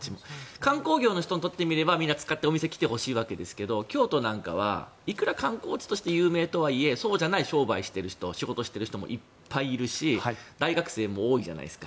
観光業の人にとって見ればみんなに来てほしいんですけど京都なんかはいくら観光地として有名とはいえそうではない商売をしている人いっぱいいるし大学生も多いじゃないですか。